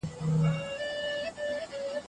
د بریتانیا راپور وايي پرمختګ کچه لږه چټکه شوې ده.